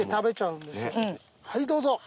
はいどうぞ。